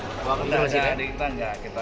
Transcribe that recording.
tidak ada di kita tidak ada di kita